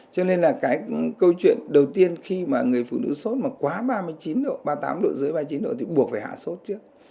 cho nên là cái câu chuyện đầu tiên khi mà người phụ nữ sốt mà quá ba mươi chín độ ba mươi tám độ dưới ba mươi chín độ thì buộc phải hạ sốt trước